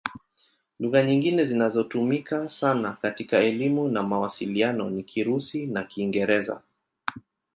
Lugha nyingine zinazotumika sana katika elimu na mawasiliano ni Kirusi na Kiingereza.